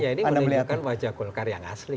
ya ini menunjukkan wajah golkar yang asli